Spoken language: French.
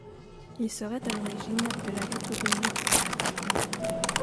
Il serait à l'origine de l'Agathodémon grec.